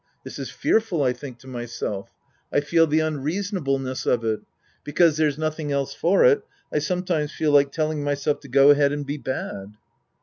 " This is fearful," I tliink to myself I feel the unreasonableness of it. Because there's nothing else for it, I sometimes feel like telling myself to go ahead and be bad.